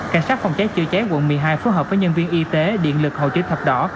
cảnh sát phòng cháy chữa cháy quận một mươi hai phù hợp với nhân viên y tế điện lực hồ chí thập đỏ